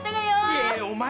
いやいやお前